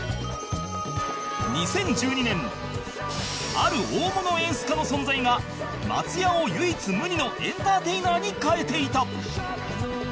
ある大物演出家の存在が松也を唯一無二のエンターテイナーに変えていた